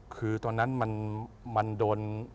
คือตอนนั้นมันโดน